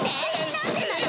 何でなの？